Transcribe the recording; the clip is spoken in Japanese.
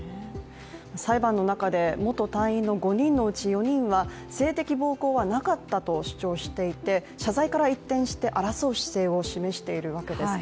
裁判の中で元隊員の５人のうち４人は性的暴行はなかったと主張していて謝罪から一転して争う姿勢を示しているわけです。